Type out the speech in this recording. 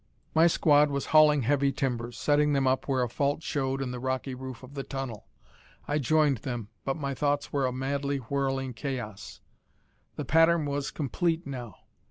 My squad was hauling heavy timbers, setting them up where a fault showed in the rocky roof of the tunnel. I joined them but my thoughts were a madly whirling chaos. The pattern was complete now.